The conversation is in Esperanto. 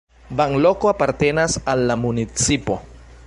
Banloko apartenas al la municipo.